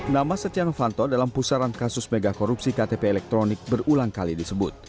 nama setia novanto dalam pusaran kasus megakorupsi ktp elektronik berulang kali disebut